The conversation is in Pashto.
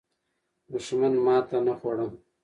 دښمن ماته نه خوړه.